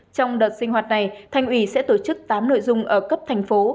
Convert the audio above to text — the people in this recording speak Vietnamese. trong đợt sinh hoạt này thành ủy sẽ tổ chức tám nội dung ở cấp thành phố